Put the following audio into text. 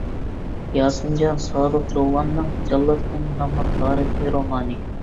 ياسىنجان سادىق چوغلاننىڭ «جاللات خېنىم» ناملىق تارىخىي رومانى